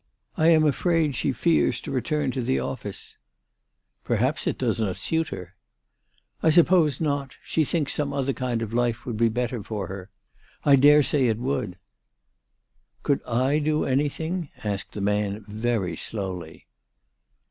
I am afraid she fears to return to the office/' " Perhaps it does not suit her." " I suppose not. She thinks some other kind of life would be better for her. I dare say it would." " Could I do anything ?" asked the man very slowly.